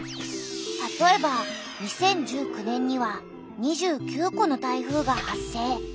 たとえば２０１９年には２９個の台風が発生。